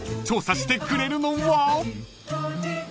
［調査してくれるのは？］